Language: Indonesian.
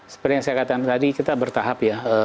seperti yang saya katakan tadi kita bertahap ya